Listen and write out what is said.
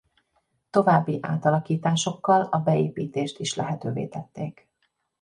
További átalakításokkal a beépítést is lehetővé tették.